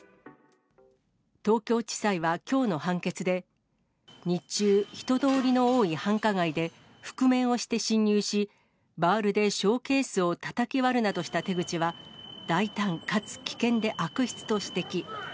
東京地裁はきょうの判決で、日中、人通りの多い繁華街で、覆面をして侵入し、バールでショーケースをたたき割るなどした手口は、大胆かつ危険で悪質と指摘。